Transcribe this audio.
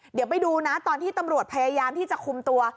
เดี๋ยวไปดูนะตอนที่ตำรวจพยายามที่จะคุมตัว